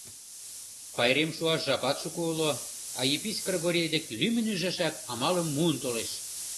Пайрем шуаш жапат шуко уло, а Епись Кргори дек лӱмын ӱжашак амалым муын толеш.